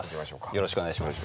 よろしくお願いします。